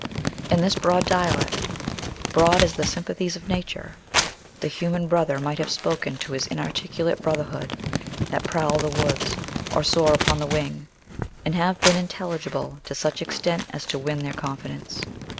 In this broad dialect broad as the sympathies of nature the human brother might have spoken to his inarticulate brotherhood that prowl the woods, or soar upon the wing, and have been intelligible to such extent as to win their confidence.